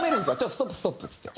ストップストップっつって。